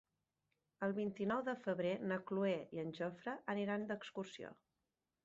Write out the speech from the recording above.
El vint-i-nou de febrer na Cloè i en Jofre aniran d'excursió.